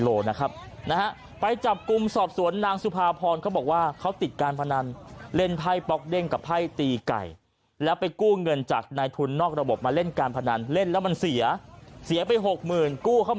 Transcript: ออกมาเล่นการพนันเล่นแล้วมันเสียเสียไป๖๐๐๐๐กู้เข้า